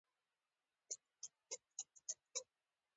ازادي راډیو د سیاست د راتلونکې په اړه وړاندوینې کړې.